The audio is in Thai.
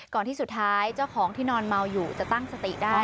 ที่สุดท้ายเจ้าของที่นอนเมาอยู่จะตั้งสติได้